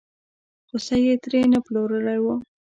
خوسی یې ترې نه پلورلی و.